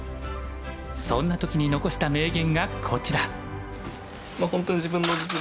そんな時に残した名言がこちら。